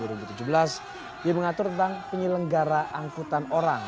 dia mengatur tentang penyelenggara angkutan orang